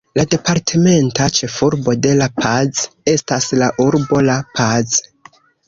La departementa ĉefurbo de La Paz estas la urbo La Paz.